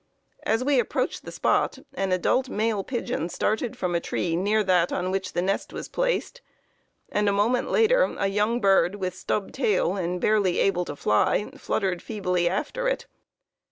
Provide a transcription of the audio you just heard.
As we approached the spot an adult male pigeon started from a tree near that on which the nest was placed, and a moment later a young bird, with stub tail and barely able to fly, fluttered feebly after it.